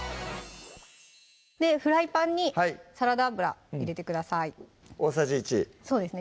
フライパンにサラダ油入れてください大さじ１そうですね